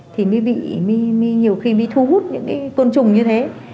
thì nhiều khi mới bị thu hút những cái côn trùng như thế